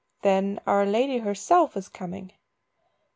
"Then Our Lady herself is coming."